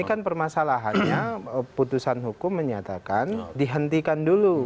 tapi kan permasalahannya putusan hukum menyatakan dihentikan dulu